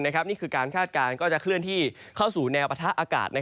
นี่คือการคาดการณ์ก็จะเคลื่อนที่เข้าสู่แนวปะทะอากาศ